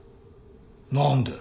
なんで？